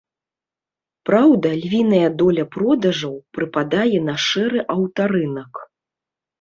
Праўда, львіная доля продажаў прыпадае на шэры аўтарынак.